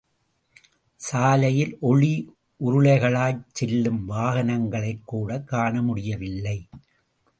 சாலையில் ஒளி உருளைகளாய் செல்லும் வாகனங்களைக்கூட காண முடியவில்லை.